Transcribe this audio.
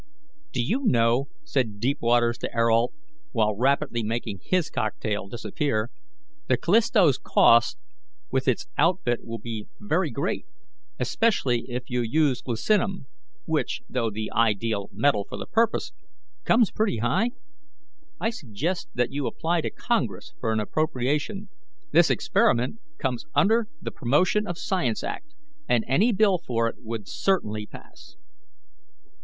"Do you know," said Deepwaters to Ayrault, while rapidly making his cocktail disappear, "the Callisto's cost with its outfit will be very great, especially if you use glucinum, which, though the ideal metal for the purpose, comes pretty high? I suggest that you apply to Congress for an appropriation. This experiment comes under the 'Promotion of Science Act,' and any bill for it would certainly pass."